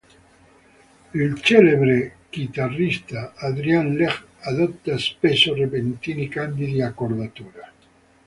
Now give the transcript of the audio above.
Il celebre chitarrista Adrian Legg adotta spesso repentini cambi di accordatura.